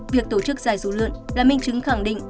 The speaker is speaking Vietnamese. việc tổ chức giải dù lượn là minh chứng khẳng định